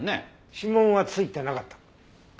指紋は付いてなかった。